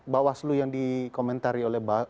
bawaslu yang dikomentari oleh